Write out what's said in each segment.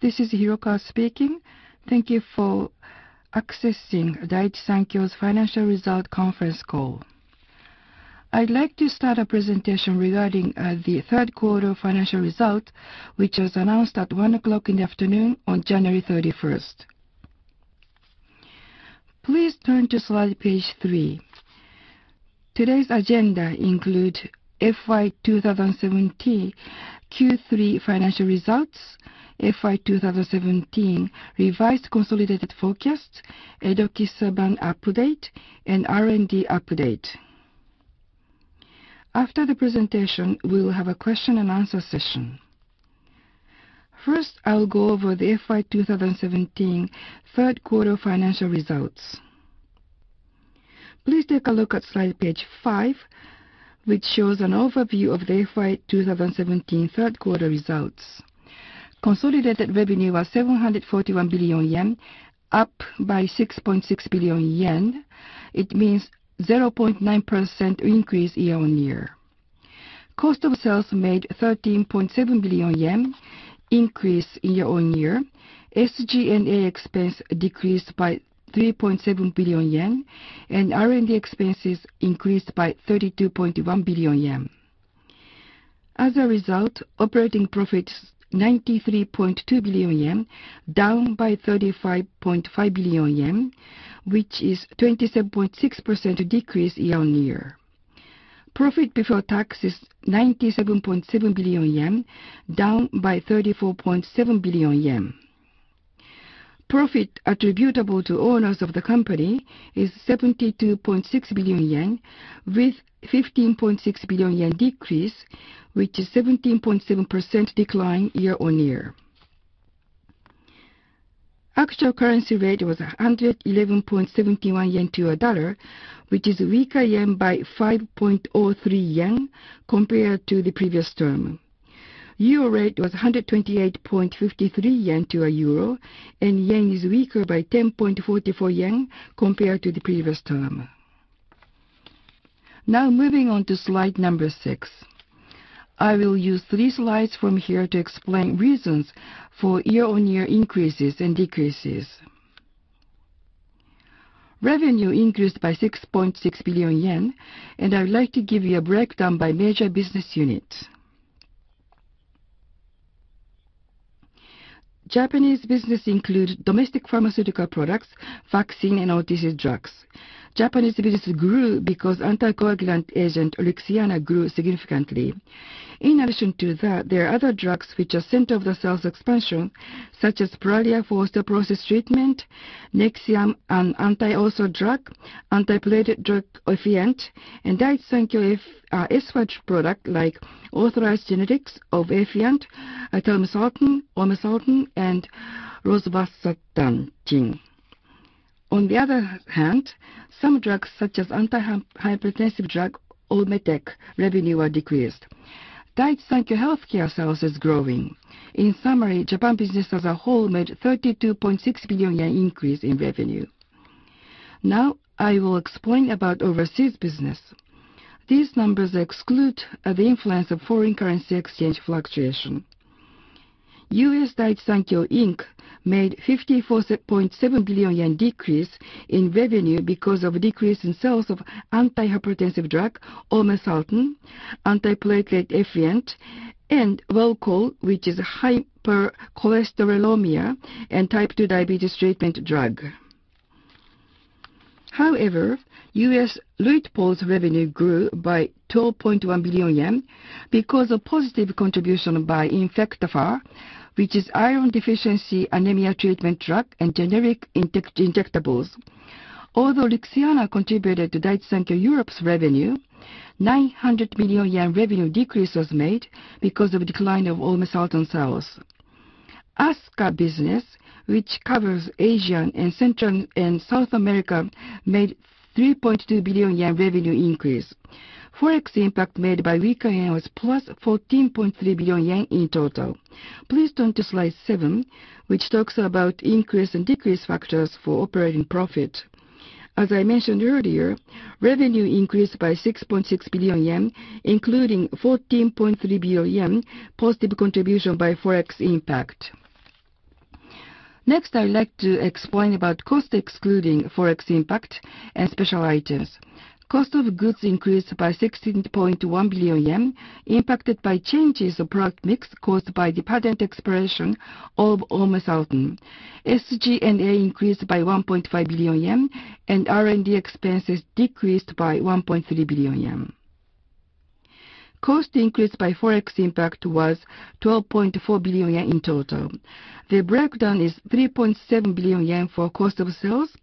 This is Hiroka speaking. Thank you for accessing Daiichi Sankyo's financial result conference call. I'd like to start a presentation regarding the third quarter financial result, which was announced at 1:00 in the afternoon on January 31. Please turn to slide page three. Today's agenda include FY 2017 Q3 financial results, FY 2017 revised consolidated forecast, edoxaban update, and R&D update. After the presentation, we will have a question and answer session. First, I'll go over the FY 2017 third quarter financial results. Please take a look at slide page five, which shows an overview of the FY 2017 third quarter results. Consolidated revenue was 741 billion yen, up by 6.6 billion yen. It means 0.9% increase year-on-year. Cost of sales made 13.7 billion yen, increase year-on-year. SG&A expense decreased by 3.7 billion yen, R&D expenses increased by 32.1 billion yen. As a result, operating profit 93.2 billion yen, down by 35.5 billion yen, which is 27.6% decrease year-on-year. Profit before tax is 97.7 billion yen, down by 34.7 billion yen. Profit attributable to owners of the company is 72.6 billion yen, with 15.6 billion yen decrease, which is 17.7% decline year-on-year. Actual currency rate was 111.71 yen to a U.S. dollar, which is weaker yen by 5.03 yen compared to the previous term. EUR rate was 128.53 yen to a euro, and yen is weaker by 10.44 yen compared to the previous term. Moving on to slide number six. I will use three slides from here to explain reasons for year-on-year increases and decreases. Revenue increased by 6.6 billion yen, I would like to give you a breakdown by major business unit. Japanese business includes domestic pharmaceutical products, vaccine, and OTC drugs. Japanese business grew because anticoagulant agent Lixiana grew significantly. In addition to that, there are other drugs which are center of the sales expansion, such as raloxifene for osteoporosis treatment, Nexium, an anti-ulcer drug, antiplatelet drug Effient, Daiichi Sankyo is watch product like authorized generics of Effient, Telmisartan, olmesartan, and rosuvastatin. On the other hand, some drugs such as anti-hypertensive drug Olmetec revenue are decreased. Daiichi Sankyo Healthcare sales is growing. In summary, Japan business as a whole made 32.6 billion yen increase in revenue. I will explain about overseas business. These numbers exclude the influence of foreign currency exchange fluctuation. U.S. Daiichi Sankyo Inc. made 54.7 billion yen decrease in revenue because of a decrease in sales of anti-hypertensive drug olmesartan, antiplatelet Effient, and Welchol, which is hypercholesterolemia and type 2 diabetes treatment drug. However, U.S. Luitpold's revenue grew by 12.1 billion yen because of positive contribution by Injectafer, which is iron deficiency anemia treatment drug and generic injectables. Although Lixiana contributed to Daiichi Sankyo Europe's revenue, 900 million yen revenue decrease was made because of decline of olmesartan sales. ASCA business, which covers Asia and Central and South America, made 3.2 billion yen revenue increase. Forex impact made by weaker yen was +14.3 billion yen in total. Please turn to slide seven, which talks about increase and decrease factors for operating profit. As I mentioned earlier, revenue increased by 6.6 billion yen, including 14.3 billion yen positive contribution by Forex impact. I would like to explain about cost excluding Forex impact and special items. Cost of goods increased by 16.1 billion yen, impacted by changes of product mix caused by the patent expiration of olmesartan. SG&A increased by 1.5 billion yen and R&D expenses decreased by 1.3 billion yen. Cost increased by Forex impact was 12.4 billion yen in total. The breakdown is 3.7 billion yen for cost of sales,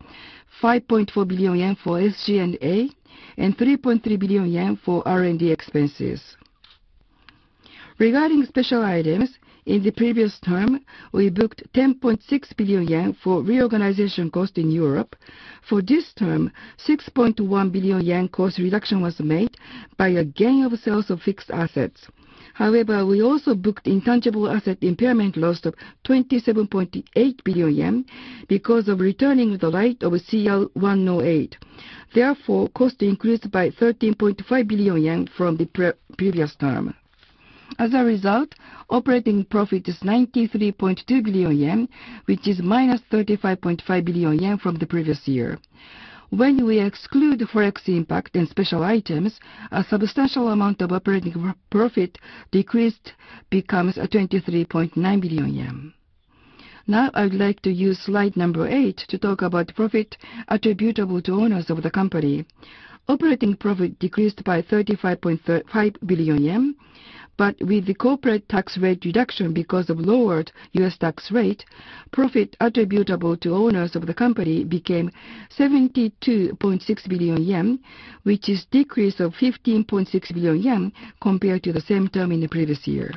5.4 billion yen for SG&A, and 3.3 billion yen for R&D expenses. Regarding special items, in the previous term, we booked 10.6 billion yen for reorganization cost in Europe. For this term, 6.1 billion yen cost reduction was made by a gain of sales of fixed assets. We also booked intangible asset impairment loss of 27.8 billion yen because of returning the right of CL-108. Cost increased by 13.5 billion yen from the previous term. As a result, operating profit is 93.2 billion yen, which is -35.5 billion yen from the previous year. When we exclude Forex impact and special items, a substantial amount of operating profit decreased becomes 23.9 billion yen. I would like to use slide number eight to talk about profit attributable to owners of the company. Operating profit decreased by 35.5 billion yen. With the corporate tax rate reduction because of lowered U.S. tax rate, profit attributable to owners of the company became 72.6 billion yen, which is decrease of 15.6 billion yen compared to the same term in the previous year.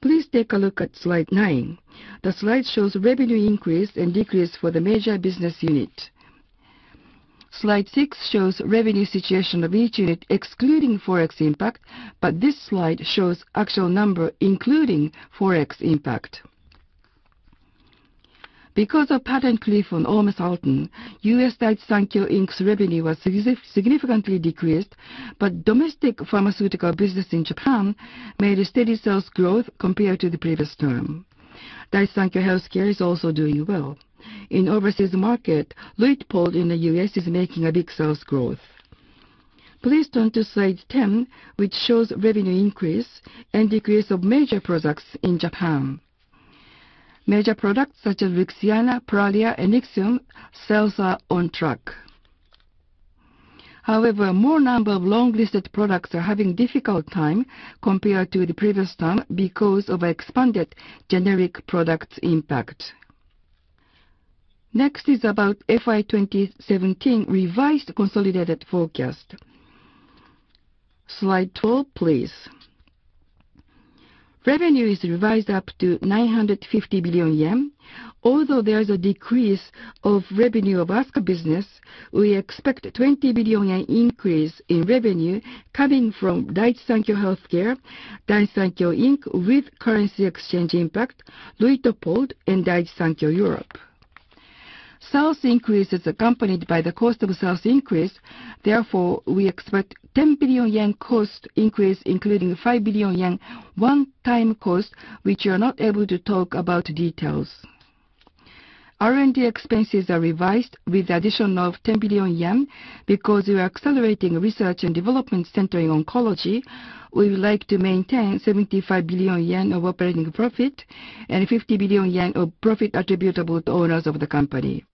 Please take a look at slide nine. The slide shows revenue increase and decrease for the major business unit. Slide six shows revenue situation of each unit excluding Forex impact, but this slide shows actual number including Forex impact. Because of patent cliff on olmesartan, U.S. Daiichi Sankyo Inc.'s revenue was significantly decreased, but domestic pharmaceutical business in Japan made a steady sales growth compared to the previous term. Daiichi Sankyo Healthcare is also doing well. In overseas market, Luitpold in the U.S. is making a big sales growth. Please turn to slide 10, which shows revenue increase and decrease of major products in Japan. Major products such as Lixiana, Pralia, and Nexium, sales are on track. More number of long listed products are having difficult time compared to the previous term because of expanded generic products impact. Next is about FY 2017 revised consolidated forecast. Slide 12, please. Revenue is revised up to 950 billion yen. Although there is a decrease of revenue of ASCA business, we expect 20 billion yen increase in revenue coming from Daiichi Sankyo Healthcare, Daiichi Sankyo Inc. with currency exchange impact, Luitpold, and Daiichi Sankyo Europe. Sales increase is accompanied by the cost of sales increase. We expect 10 billion yen cost increase, including 5 billion yen one-time cost, which we are not able to talk about details. R&D expenses are revised with the addition of 10 billion yen because we are accelerating research and development centering oncology. We would like to maintain 75 billion yen of operating profit and 50 billion yen of profit attributable to owners of the company.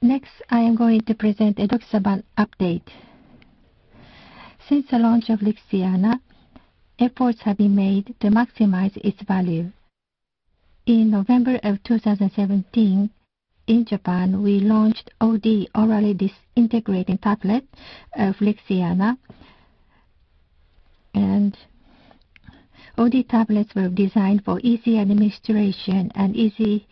Next, I am going to present edoxaban update. Since the launch of Lixiana, efforts have been made to maximize its value. In November of 2017, in Japan, we launched OD, orally disintegrating tablet of Lixiana. OD tablets were designed for easy administration, and easy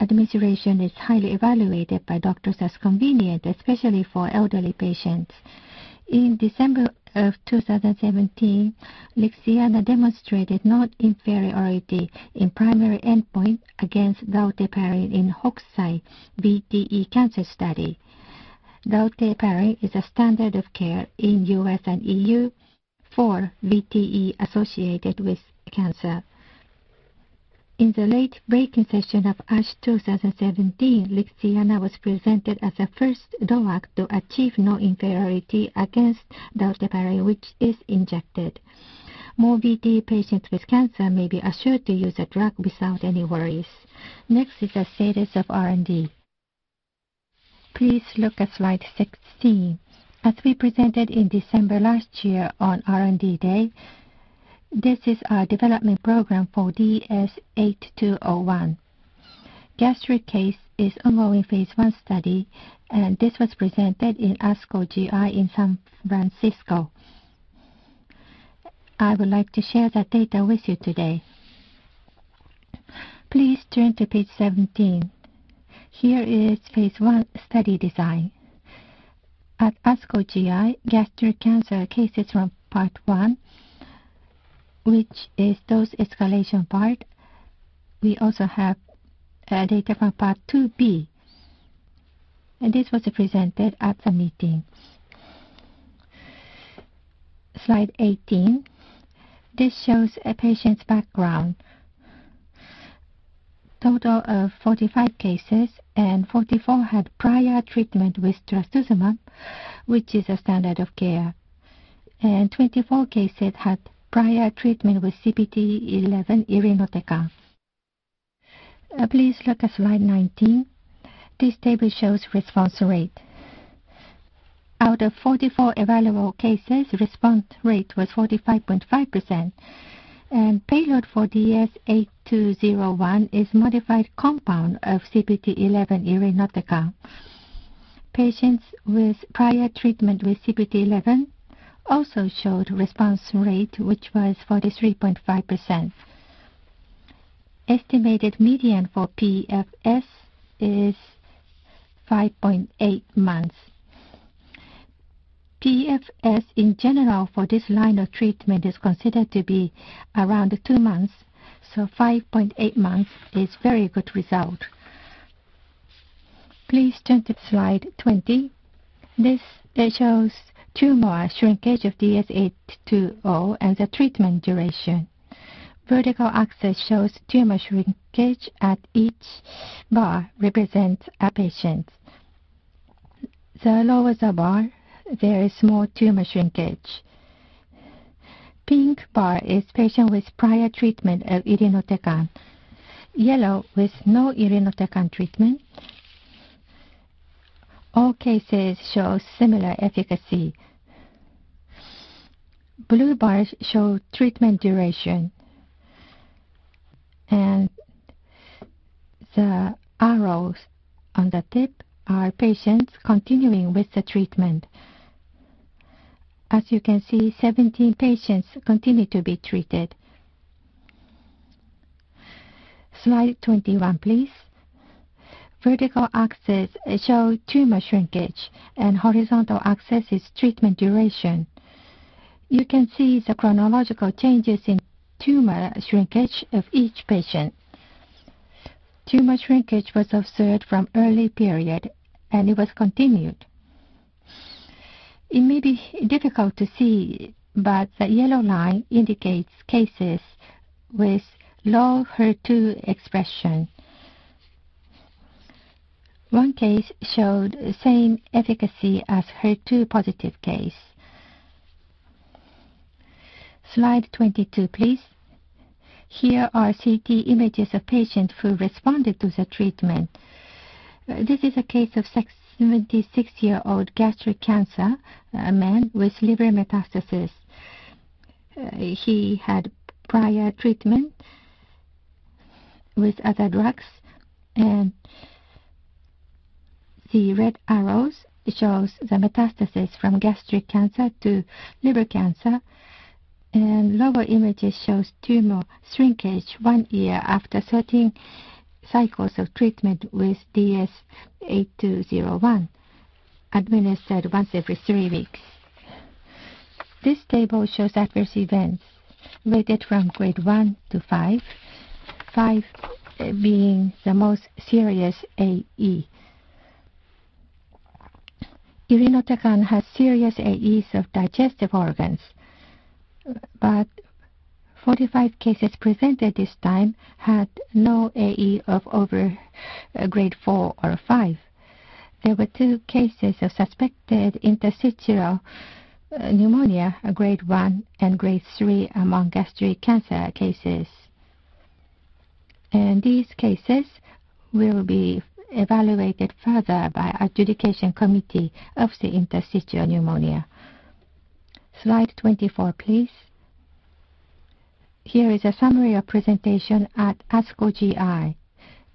administration is highly evaluated by doctors as convenient, especially for elderly patients. In December of 2017, Lixiana demonstrated non-inferiority in primary endpoint against dabigatran in Hokusai VTE cancer study. Dabigatran is a standard of care in U.S. and E.U. for VTE associated with cancer. In the late-breaking session of ASH 2017, Lixiana was presented as a first DOAC to achieve non-inferiority against dabigatran, which is injected. More VTE patients with cancer may be assured to use the drug without any worries. Next is the status of R&D. Please look at slide 16. As we presented in December last year on R&D Day, this is our development program for DS-8201. Gastric case is ongoing phase I study. This was presented in ASCO GI in San Francisco. I would like to share that data with you today. Please turn to page 17. Here is phase I study design. At ASCO GI, gastric cancer cases from part one, which is dose escalation part. We also have data from part 2B. This was presented at the meetings. Slide 18. This shows a patient's background. Total of 45 cases and 44 had prior treatment with trastuzumab, which is a standard of care. 24 cases had prior treatment with CPT-11 irinotecan. Please look at slide 19. This table shows response rate. Out of 44 evaluable cases, response rate was 45.5%. Payload for DS-8201 is modified compound of CPT-11 irinotecan. Patients with prior treatment with CPT-11 also showed response rate which was 43.5%. Estimated median for PFS is 5.8 months. PFS in general for this line of treatment is considered to be around two months, so 5.8 months is very good result. Please turn to Slide 20. This shows tumor shrinkage of DS-8201 and the treatment duration. Vertical axis shows tumor shrinkage. Each bar represents a patient. The lower the bar, the smaller the tumor shrinkage. The pink bar is for patients with prior treatment of irinotecan, yellow for those with no irinotecan treatment. All cases show similar efficacy. Blue bars show treatment duration. The arrows at the tip indicate patients continuing with the treatment. As you can see, 17 patients continue to be treated. Slide 21, please. The vertical axis shows tumor shrinkage. The horizontal axis is treatment duration. You can see the chronological changes in tumor shrinkage for each patient. Tumor shrinkage was observed from an early period and continued. It may be difficult to see, but the yellow line indicates cases with low HER2 expression. One case showed the same efficacy as a HER2-positive case. Slide 22, please. Here are CT images of a patient who responded to the treatment. This is a case of a 76-year-old gastric cancer patient, a man with liver metastases. He had prior treatment with other drugs. The red arrows show the metastasis from gastric cancer to liver cancer. The lower image shows tumor shrinkage one year after 13 cycles of treatment with DS-8201, administered once every three weeks. This table shows adverse events rated from Grade 1-5, with 5 being the most serious AE. irinotecan has serious AEs affecting digestive organs, but the 45 cases presented this time had no AEs of Grade 4 or 5 and above. There were two cases of suspected interstitial pneumonia, a Grade 1 and Grade 3, among the gastric cancer cases. These cases will be evaluated further by the interstitial pneumonia adjudication committee. Slide 24, please. Here is a summary of the presentation at ASCO GI.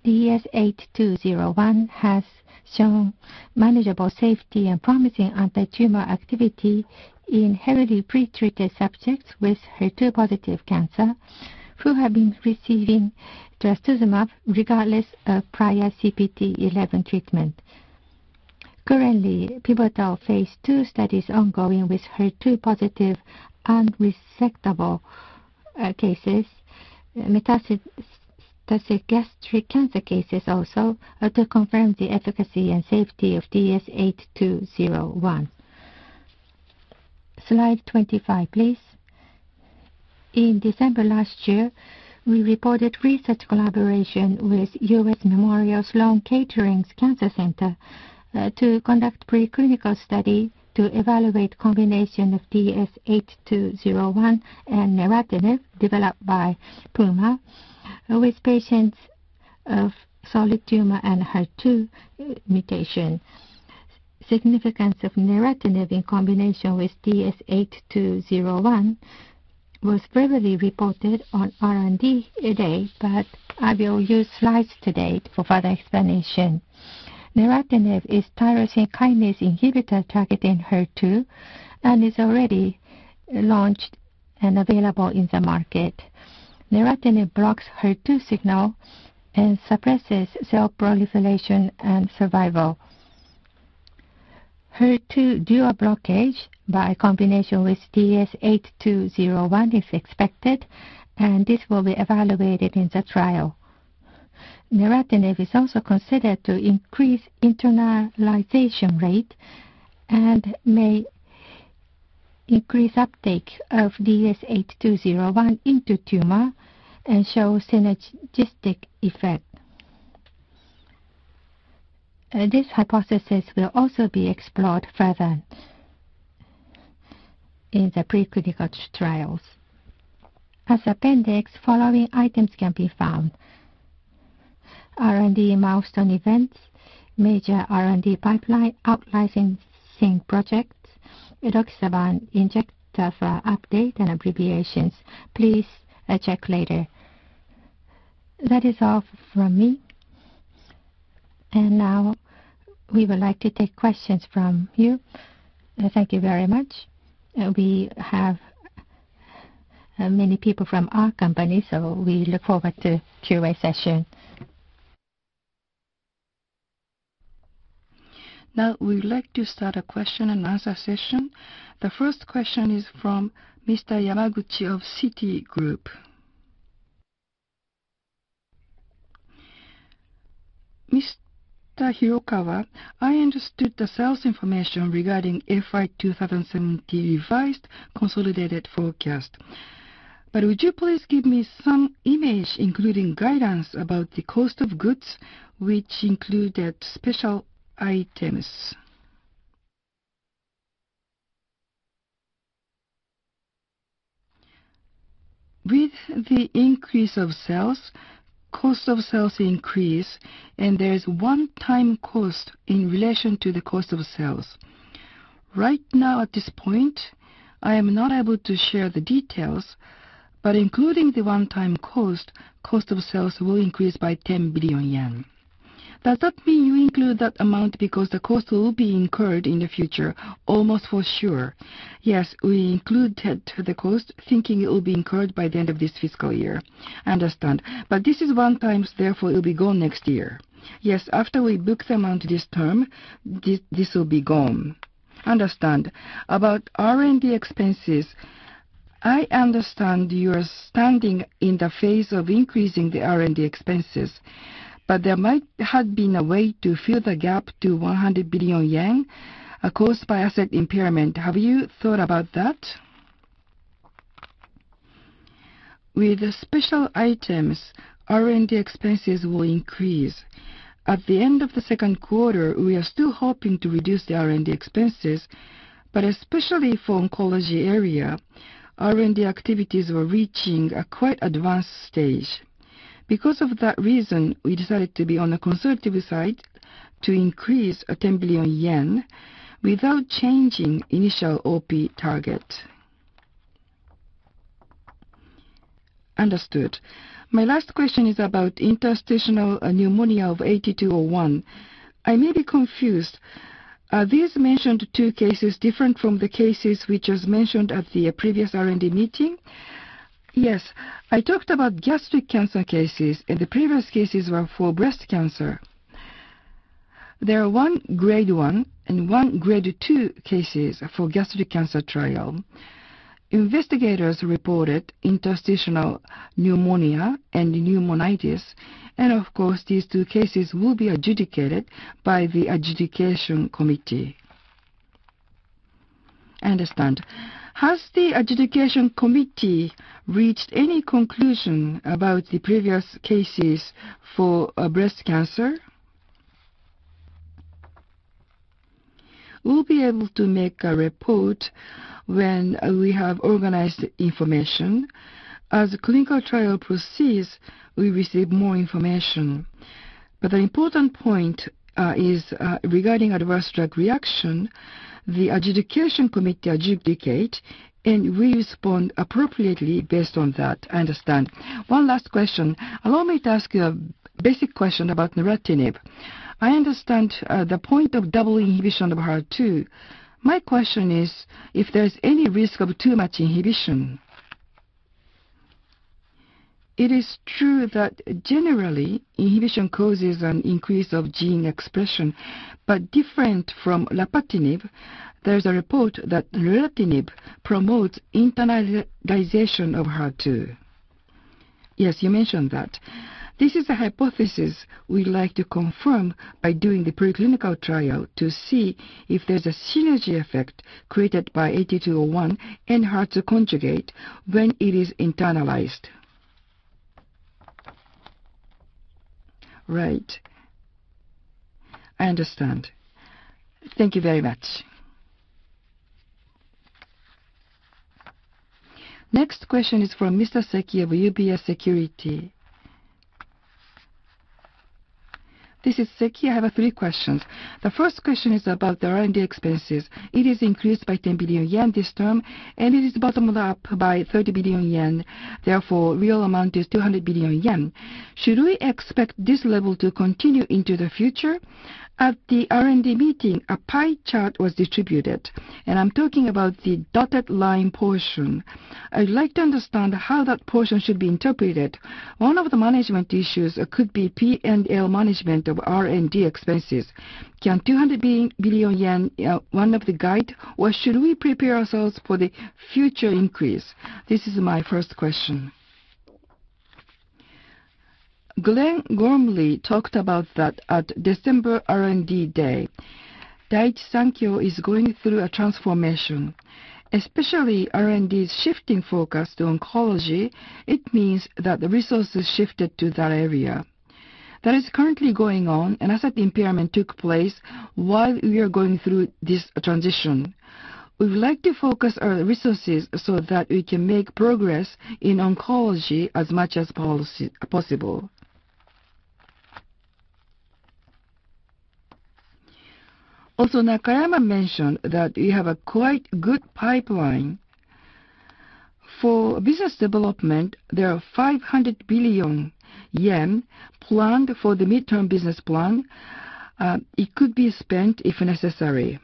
DS-8201 has shown manageable safety and promising antitumor activity in heavily pre-treated subjects with HER2-positive cancer who have been receiving trastuzumab, regardless of prior CPT-11 treatment. Currently, pivotal phase II studies are ongoing with HER2-positive, unresectable cases and metastatic gastric cancer cases to confirm the efficacy and safety of DS-8201. Slide 25, please. In December of last year, we reported research collaboration with U.S. Memorial Sloan Kettering Cancer Center to conduct a preclinical study to evaluate the combination of DS-8201 and neratinib, developed by Puma, in patients with solid tumors and HER2 mutations. The significance of neratinib in combination with DS-8201 was previously reported on R&D Day, I will use slides today for further explanation. neratinib is a tyrosine kinase inhibitor targeting HER2 and is already launched and available on the market. neratinib blocks the HER2 signal and suppresses cell proliferation and survival. HER2 dual blockage by combination with DS-8201 is expected, and this will be evaluated in the trial. neratinib is also considered to increase internalization rate and may increase uptake of DS-8201 into the tumor, showing a synergistic effect. This hypothesis will also be explored further in the preclinical trials. As an appendix, the following items can be found: R&D milestone events, major R&D pipeline, out-licensing projects, Inegy update, and abbreviations. Please check later. That is all from me. Now we would like to take questions from you. Thank you very much. We have many people from our company, so we look forward to a Q&A session. Now, we would like to start a question-and-answer session. The first question is from Mr. Yamaguchi of Citigroup. Mr. Hirokawa, I understood the sales information regarding FY 2017 revised consolidated forecast. Would you please give me some image, including guidance about the cost of goods, which included special items? With the increase of sales, cost of sales increase, and there is a one-time cost in relation to the cost of sales. Right now, at this point, I am not able to share the details, but including the one-time cost of sales will increase by 10 billion yen. Does that mean you include that amount because the cost will be incurred in the future almost for sure? Yes, we included the cost thinking it will be incurred by the end of this fiscal year. Understand. This is one-time, therefore, it will be gone next year. Yes, after we book the amount this term, this will be gone. I understand. About R&D expenses, I understand you are standing in the phase of increasing the R&D expenses, but there might have been a way to fill the gap to 100 billion yen caused by asset impairment. Have you thought about that? With the special items, R&D expenses will increase. At the end of the second quarter, we are still hoping to reduce the R&D expenses, but especially for oncology area, R&D activities were reaching a quite advanced stage. Because of that reason, we decided to be on the conservative side to increase a 10 billion yen without changing initial OP target. I understood. My last question is about interstitial pneumonia of DS-8201. I may be confused. Are these mentioned 2 cases different from the cases which was mentioned at the previous R&D Day? Yes. I talked about gastric cancer cases, and the previous cases were for breast cancer. There are 1 Grade 1 and 1 Grade 2 cases for gastric cancer trial. Investigators reported interstitial pneumonia and pneumonitis, and of course, these 2 cases will be adjudicated by the adjudication committee. I understand. Has the adjudication committee reached any conclusion about the previous cases for breast cancer? We'll be able to make a report when we have organized information. As the clinical trial proceeds, we receive more information. But the important point is, regarding adverse drug reaction, the adjudication committee adjudicate, and we respond appropriately based on that. I understand. One last question. Allow me to ask a basic question about neratinib. I understand the point of double inhibition of HER2. My question is, if there's any risk of too much inhibition. It is true that generally, inhibition causes an increase of gene expression, but different from lapatinib, there's a report that neratinib promotes internalization of HER2. Yes, you mentioned that. This is a hypothesis we'd like to confirm by doing the preclinical trial to see if there's a synergy effect created by DS-8201 and HER2 conjugate when it is internalized. Right. I understand. Thank you very much. Next question is from Mr. Seki of UBS Securities. This is Seki. I have 3 questions. The first question is about the R&D expenses. It is increased by 10 billion yen this term, and it is bottomed up by 30 billion yen. Therefore, real amount is 200 billion yen. Should we expect this level to continue into the future? At the R&D Day, a pie chart was distributed, and I'm talking about the dotted line portion. I'd like to understand how that portion should be interpreted. One of the management issues could be P&L management of R&D expenses. Can 200 billion yen one of the guide, or should we prepare ourselves for the future increase? This is my first question. Glenn Gormley talked about that at December R&D Day. Daiichi Sankyo is going through a transformation, especially R&D's shifting focus to oncology. It means that the resources shifted to that area. That is currently going on, and asset impairment took place while we are going through this transition. We would like to focus our resources so that we can make progress in oncology as much as possible. Also, Nakayama mentioned that you have a quite good pipeline. For business development, there are 500 billion yen planned for the midterm business plan. It could be spent if necessary.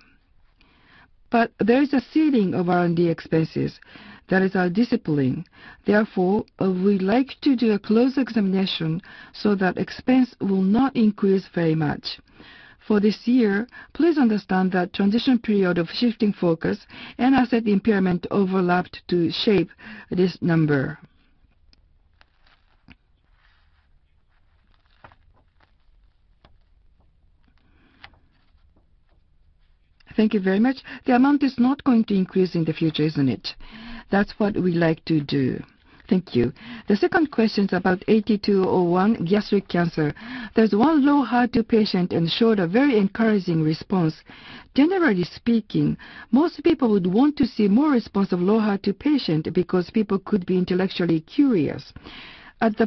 But there is a ceiling of R&D expenses. That is our discipline. We like to do a close examination so that expense will not increase very much. For this year, please understand that transition period of shifting focus and asset impairment overlapped to shape this number. Thank you very much. The amount is not going to increase in the future, isn't it? That is what we like to do. Thank you. The second question is about DS-8201 gastric cancer. There is one HER2- patient and showed a very encouraging response. Generally speaking, most people would want to see more response of HER2- patient because people could be intellectually curious. At the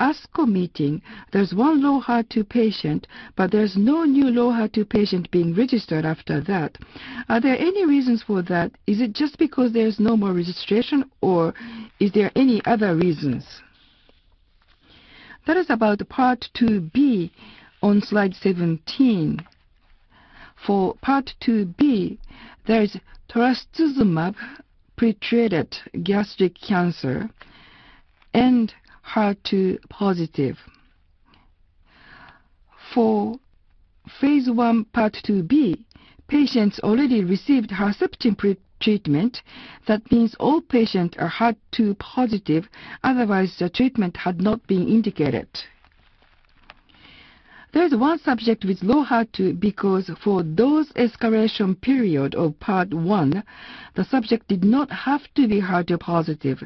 ASCO meeting, there is one HER2- patient, but there is no new HER2- patient being registered after that. Are there any reasons for that? Is it just because there is no more registration, or is there any other reasons? That is about part II-B on slide 17. For part II-B, there is trastuzumab pre-treated gastric cancer and HER2 positive. For phase I, part II-B, patients already received Herceptin pre-treatment. That means all patients are HER2 positive, otherwise the treatment had not been indicated. There is one subject with low HER2 because for those exploration period of part I, the subject did not have to be HER2 positive.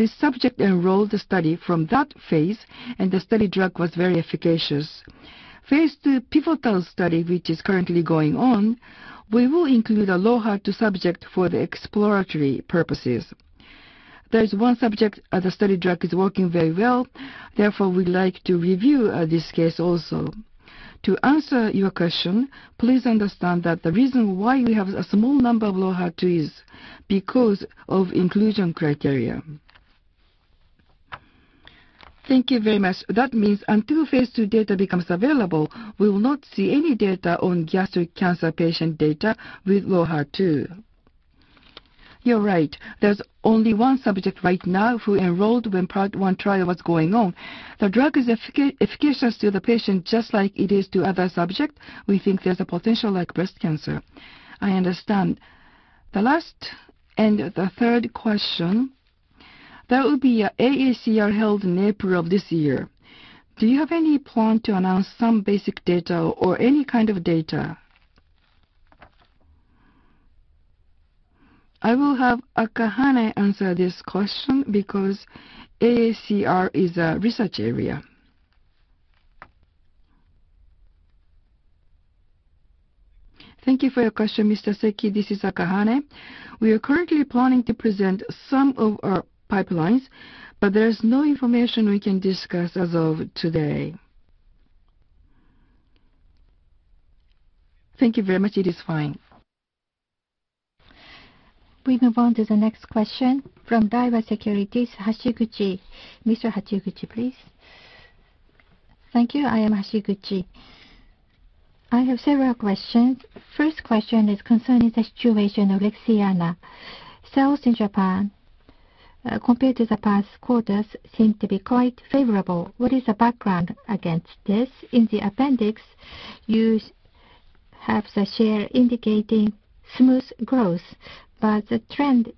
This subject enrolled the study from that phase, and the study drug was very efficacious. Phase II pivotal study, which is currently going on, we will include a low HER2 subject for the exploratory purposes. There is one subject and the study drug is working very well, we would like to review this case also. To answer your question, please understand that the reason why we have a small number of low HER2 is because of inclusion criteria. Thank you very much. That means until phase II data becomes available, we will not see any data on gastric cancer patient data with low HER2. You are right. There is only one subject right now who enrolled when part I trial was going on. The drug is efficacious to the patient just like it is to other subject. We think there is a potential like breast cancer. I understand. The last and the third question. There will be AACR held in April of this year. Do you have any plan to announce some basic data or any kind of data? I will have Akahane answer this question because AACR is a research area. Thank you for your question, Mr. Seki. This is Akahane. We are currently planning to present some of our pipelines, but there is no information we can discuss as of today. Thank you very much. It is fine. We move on to the next question from Daiwa Securities, Hashiguchi. Mr. Hashiguchi, please. Thank you. I am Hashiguchi. I have several questions. First question is concerning the situation of Lixiana. Sales in Japan, compared to the past quarters, seem to be quite favorable. What is the background against this? In the appendix, you have the share indicating smooth growth, the trend,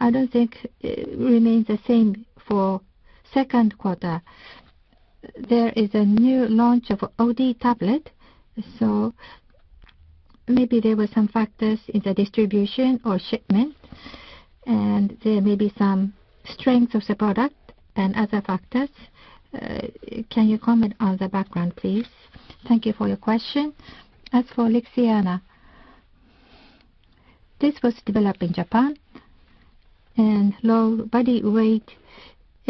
I don't think remains the same for second quarter. There is a new launch of OD tablet, maybe there were some factors in the distribution or shipment, there may be some strength of the product and other factors. Can you comment on the background, please? Thank you for your question. As for Lixiana, this was developed in Japan, low body weight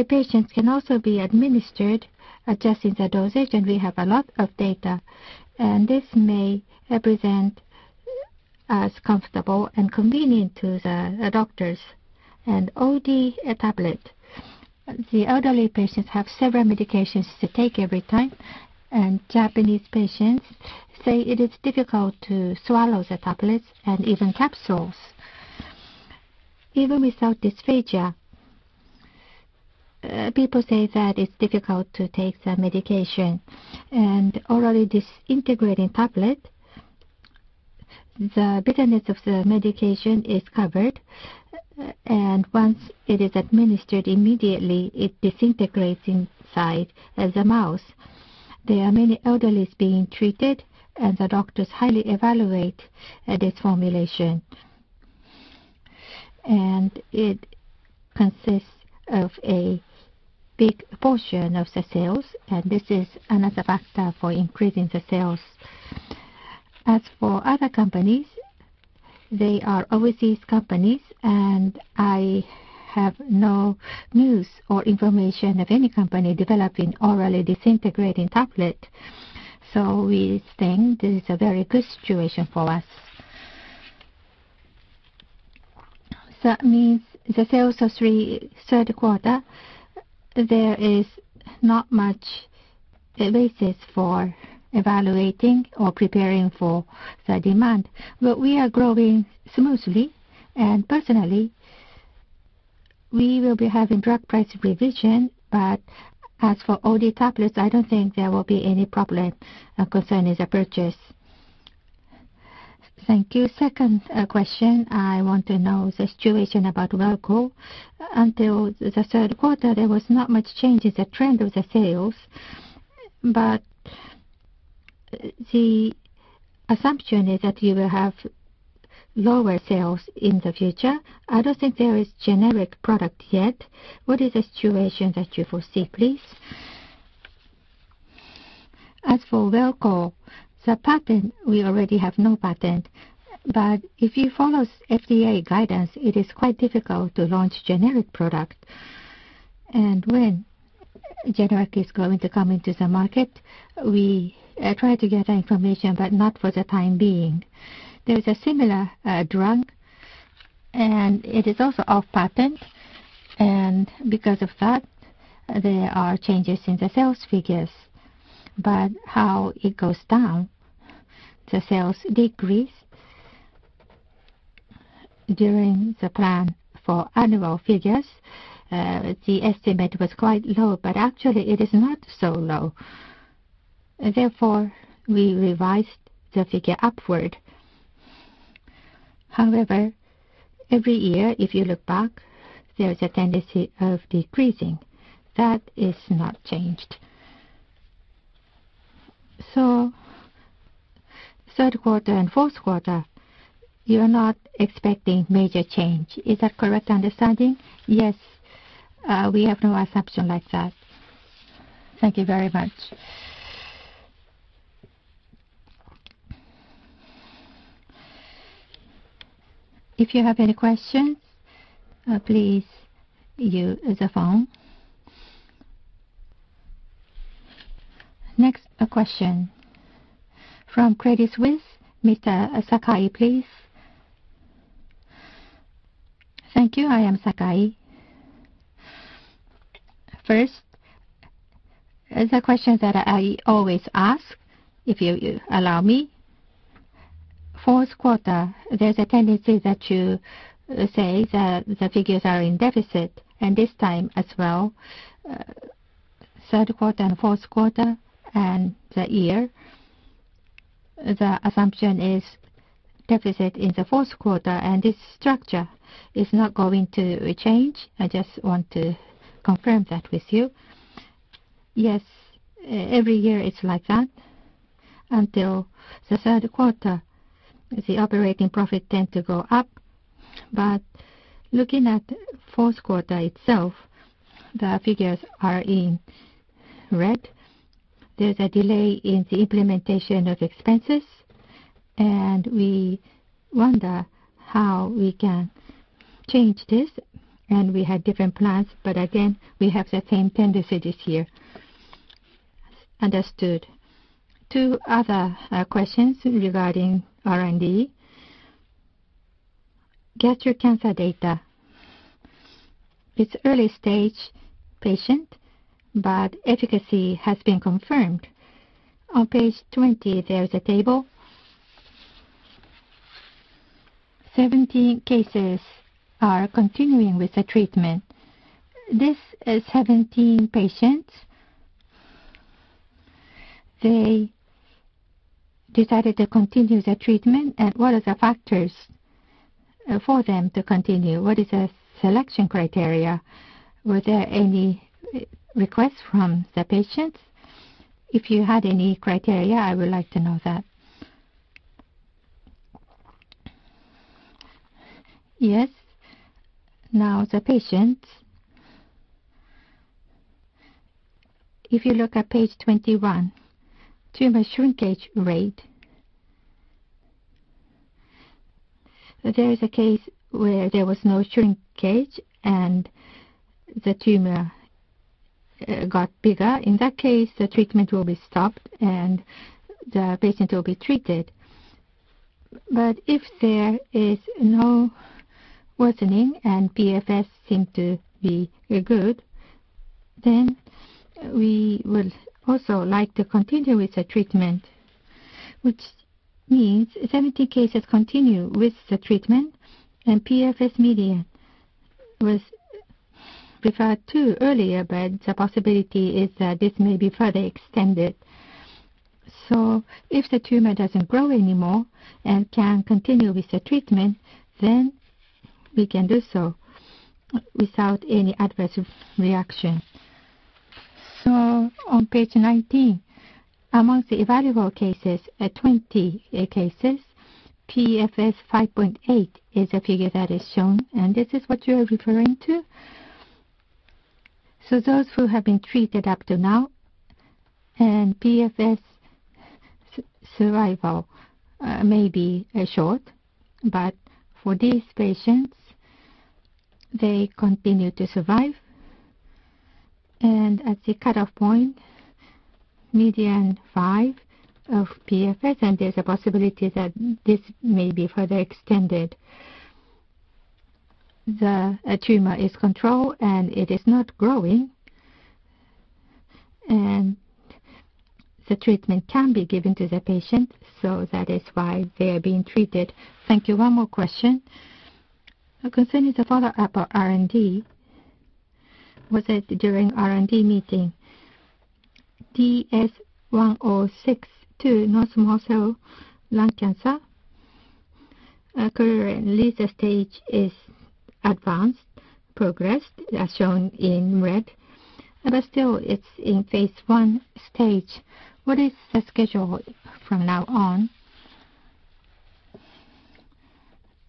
patients can also be administered adjusting the dosage, we have a lot of data. This may represent as comfortable and convenient to the doctors. OD tablet. The elderly patients have several medications to take every time, Japanese patients say it is difficult to swallow the tablets and even capsules. Even without dysphagia, people say that it's difficult to take the medication. Orally disintegrating tablet, the bitterness of the medication is covered, once it is administered, immediately it disintegrates inside the mouth. There are many elderlies being treated, the doctors highly evaluate this formulation. It consists of a big portion of the sales, this is another factor for increasing the sales. As for other companies, they are overseas companies, I have no news or information of any company developing orally disintegrating tablet. We think this is a very good situation for us. That means the sales of third quarter, there is not much basis for evaluating or preparing for the demand. Well, we are growing smoothly, personally, we will be having drug price revision, as for all the tablets, I don't think there will be any problem concerning the purchase. Thank you. Second question, I want to know the situation about Welchol. Until the third quarter, there was not much change in the trend of the sales, the assumption is that you will have lower sales in the future. I don't think there is generic product yet. What is the situation that you foresee, please? As for Welchol, the patent, we already have no patent. If you follow FDA guidance, it is quite difficult to launch generic product. When generic is going to come into the market, we try to get information, but not for the time being. There is a similar drug, and it is also off-patent, and because of that, there are changes in the sales figures. How it goes down, the sales decreased during the plan for annual figures. The estimate was quite low, but actually it is not so low. Therefore, we revised the figure upward. However, every year, if you look back, there is a tendency of decreasing. That is not changed. Third quarter and fourth quarter, you're not expecting major change. Is that correct understanding? Yes. We have no assumption like that. Thank you very much. If you have any questions, please use the phone. Next question. From Credit Suisse, Mr. Sakai, please. Thank you. I am Sakai. First, the question that I always ask, if you allow me. Fourth quarter, there's a tendency that you say the figures are in deficit, and this time as well. Third quarter and fourth quarter and the year, the assumption is deficit in the fourth quarter and this structure is not going to change. I just want to confirm that with you. Yes. Every year it's like that. Until the 3rd quarter, the operating profit tend to go up. Looking at 4th quarter itself, the figures are in red. There's a delay in the implementation of expenses, and we wonder how we can change this, and we had different plans, but again, we have the same tendencies here. Understood. Two other questions regarding R&D. Gastric cancer data. It's early-stage patient, but efficacy has been confirmed. On page 20, there is a table. 17 cases are continuing with the treatment. This is 17 patients. They decided to continue the treatment. What are the factors for them to continue? What is the selection criteria? Were there any requests from the patients? If you had any criteria, I would like to know that. Yes. The patient, if you look at page 21, tumor shrinkage rate. There is a case where there was no shrinkage and the tumor got bigger. In that case, the treatment will be stopped and the patient will be treated. If there is no worsening and PFS seem to be good, then we will also like to continue with the treatment, which means 70 cases continue with the treatment and PFS median was referred to earlier, but the possibility is that this may be further extended. If the tumor doesn't grow anymore and can continue with the treatment, then we can do so without any adverse reaction. On page 19, amongst the evaluable cases at 20 cases, PFS 5.8 is a figure that is shown, and this is what you're referring to. Those who have been treated up to now and PFS survival may be short, but for these patients, they continue to survive. At the cutoff point, median 5 of PFS, and there's a possibility that this may be further extended. The tumor is controlled, and it is not growing, and the treatment can be given to the patient. That is why they are being treated. Thank you. One more question. Concerning the follow-up of R&D. Was it during R&D meeting? DS-1062 to non-small cell lung cancer. Currently, the stage is advanced, progressed, as shown in red, but still it's in phase I stage. What is the schedule from now on,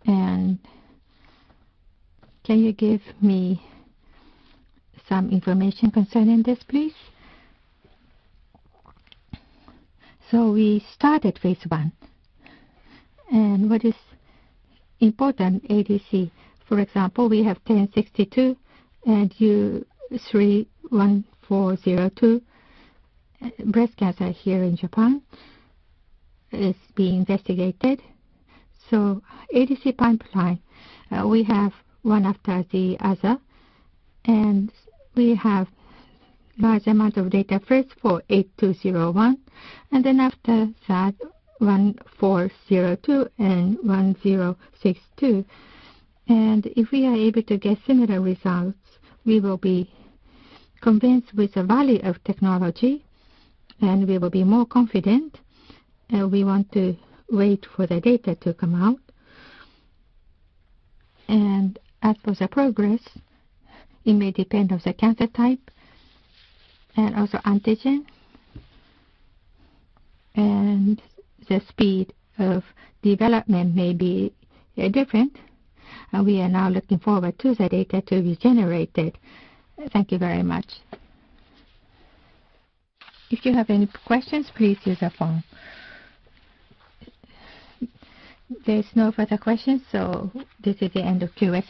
and can you give me some information concerning this, please? We started phase I, what is important, ADC, for example, we have 1062 and U3-1402 breast cancer here in Japan is being investigated. ADC pipeline, we have one after the other, we have large amount of data first for DS-8201, then after that, 1402 and 1062. If we are able to get similar results, we will be convinced with the value of technology, we will be more confident. We want to wait for the data to come out. As for the progress, it may depend on the cancer type also antigen, the speed of development may be different. We are now looking forward to the data to be generated. Thank you very much. If you have any questions, please use the phone. There's no further questions, so this is the end of Q&A.